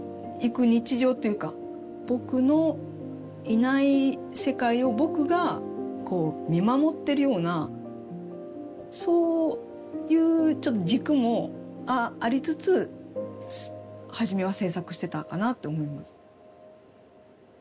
「ぼく」のいない世界を「ぼく」が見守ってるようなそういうちょっと軸もありつつ初めは制作してたかなって思います。